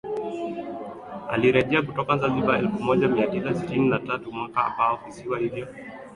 alirejea kutoka Zanzibar elfu moja mia tisa sitini na tatu mwaka ambao visiwa hivyo